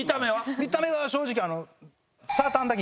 見た目は正直。